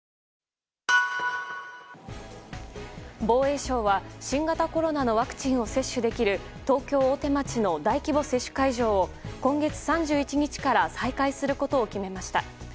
防衛省は新型コロナのワクチンを接種できる東京・大手町の大規模接種会場を今月３１日から再開することを決めました。